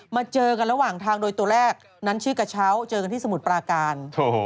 เจอกันระหว่างทางโดยตัวแรกนั้นชื่อกระเช้าเจอกันที่สมุทรปราการ